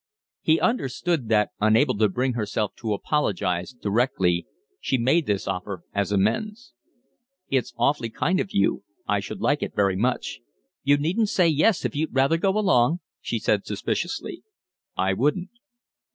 He understood that, unable to bring herself to apologise directly, she made this offer as amends. "It's awfully kind of you. I should like it very much." "You needn't say yes if you'd rather go alone," she said suspiciously. "I wouldn't."